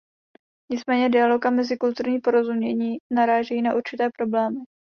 Nicméně dialog a mezikulturní porozumění narážejí na určité problémy.